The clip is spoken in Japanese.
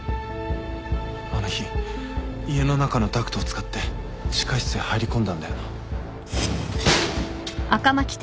あの日家の中のダクトを使って地下室へ入り込んだんだよな？